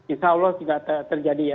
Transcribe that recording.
insya allah tidak terjadi